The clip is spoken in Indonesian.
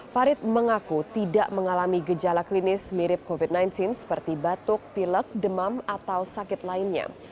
farid mengaku tidak mengalami gejala klinis mirip covid sembilan belas seperti batuk pilek demam atau sakit lainnya